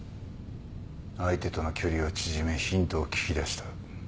相手との距離を縮めヒントを聞き出した。